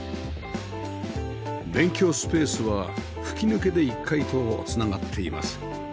勉強スペースは吹き抜けで１階と繋がっています